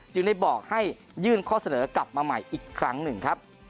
จึงได้บอกให้ยื่นข้อเสนอกลับมาใหม่อีกครั้งหนึ่งครับ